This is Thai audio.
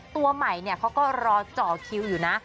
ตัวใหม่เขาก็รอเจาะคิวอยู่นะ